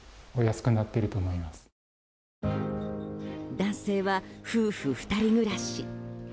男性は夫婦２人暮らし。